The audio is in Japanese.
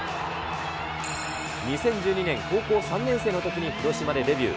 ２０１２年、高校３年生のときに広島でデビュー。